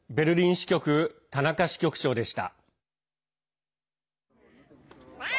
支局田中支局長でした。